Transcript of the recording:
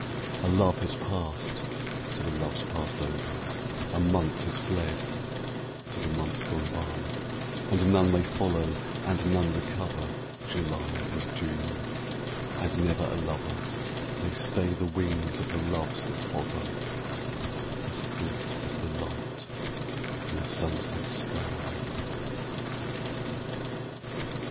A love has passed to the loves passed over, A month has fled to the months gone by; And none may follow, and none recover July and June, and never a lover May stay the wings of the Loves that hover, As fleet as the light in a sunset sky.